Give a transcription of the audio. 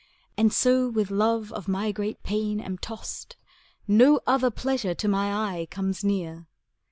And so with love of my great pain am tost. No other pleasure to my eye comes near.